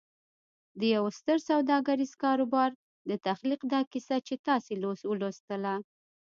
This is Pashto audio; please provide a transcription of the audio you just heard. د يوه ستر سوداګريز کاروبار د تخليق دا کيسه چې تاسې ولوسته.